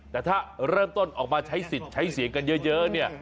แต่ถ้าเริ่มต้นออกมาใช้สิทธิ์ใช้เสียงกันเยอะเนี่ย